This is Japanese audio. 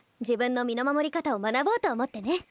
自分の身の守り方を学ぼうと思ってね。